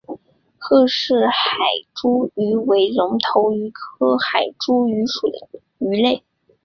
赫氏海猪鱼为隆头鱼科海猪鱼属的鱼类。